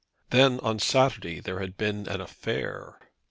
Then, on Saturday there had been an affair.